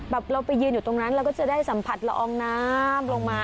เราไปยืนอยู่ตรงนั้นเราก็จะได้สัมผัสละอองน้ำลงมา